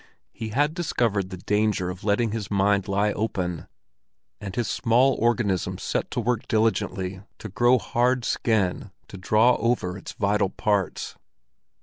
He had discovered the danger of letting his mind lie open, and his small organism set to work diligently to grow hard skin to draw over its vital parts.